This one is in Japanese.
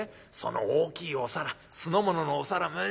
その大きいお皿酢の物のお皿